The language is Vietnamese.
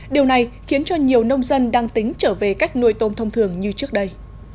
điều này khiến cho nhiều nông dân đang tính trở về cách nuôi tôm thông thường như trước đây